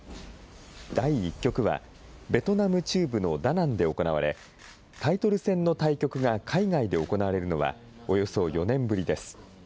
第１局は、ベトナム中部のダナンで行われ、タイトル戦の対局が海外で行われるのは、およそ４年ぶりです。